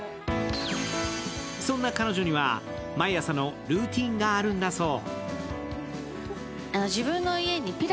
そんな彼女には毎朝のルーチンがあるんだそう。